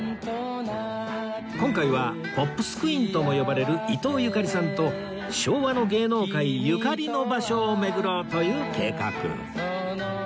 今回はポップス・クイーンとも呼ばれる伊東ゆかりさんと昭和の芸能界ゆかりの場所を巡ろうという計画